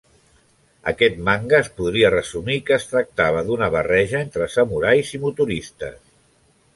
Aquest manga es podria resumir que es tractava d'una barreja entre samurais i motoristes.